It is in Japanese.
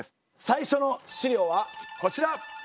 最初の資料はこちら！